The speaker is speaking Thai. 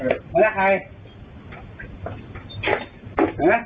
โทตไปแล้วไข่เล่า